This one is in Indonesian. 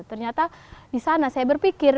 ternyata di sana saya berpikir